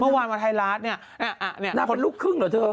เมื่อวานมาไทยร้านเนี่ยอ่ะอ่ะเนี่ยคนลูกครึ่งเหรอเธอ